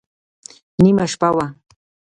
نیمه شپه وه.